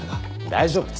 大丈夫です。